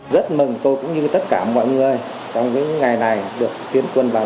rất mừng tôi cũng như tất cả mọi người trong những ngày này được tiến quân vào